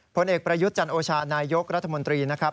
ผลเอกประยุทธ์จันโอชานายกรัฐมนตรีนะครับ